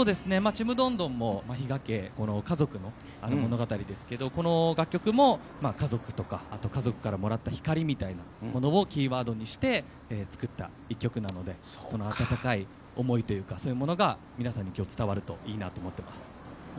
「ちむどんどん」も比嘉家、家族の物語ですけどこの楽曲も家族とか家族からもらった光みたいなものをキーワードにして作った１曲なので温かい思いというかそういうものが伝わるといいなと思っています。